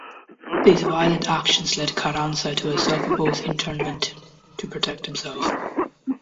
These violent actions led Carranza to a self-imposed internment to protect himself.